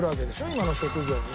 今の職業に。